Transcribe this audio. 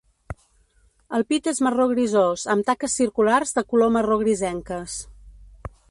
El pit és marró grisós amb taques circulars de color marró-grisenques.